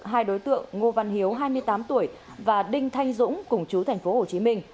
hai đối tượng ngô văn hiếu hai mươi tám tuổi và đinh thanh dũng cùng chú tp hcm